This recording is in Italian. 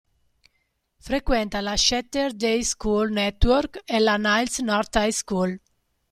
Frequenta la Schechter Day School Network e la Niles North High School.